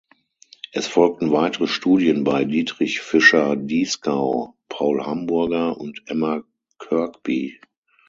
Es folgten weitere Studien bei Dietrich Fischer-Dieskau, Paul Hamburger und Emma Kirkby.